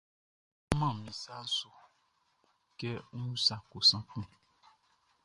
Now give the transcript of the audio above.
N man min sa su kɛ ń úsa kosan kun.